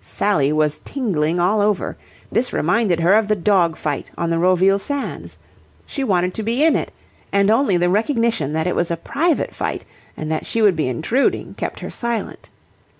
Sally was tingling all over. This reminded her of the dog fight on the Roville sands. She wanted to be in it, and only the recognition that it was a private fight and that she would be intruding kept her silent.